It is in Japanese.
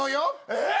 えっ！？